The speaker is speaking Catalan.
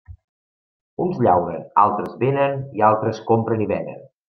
Uns llauren, altres venen i altres compren i venen.